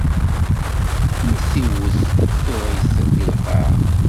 Mi t-iwet tuɣ-t di lqaɛa.